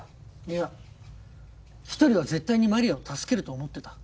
いや一人は絶対にマリアを助けると思ってた。